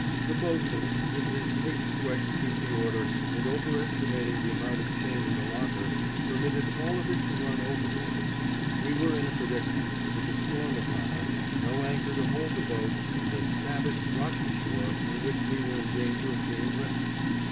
The boatswain, in his haste to execute the order, and overestimating the amount of chain in the locker, permitted all of it to run overboard. We were in a predicament, with the storm upon us, no anchor to hold the boat, and a savage, rocky shore on which we were in danger of being wrecked.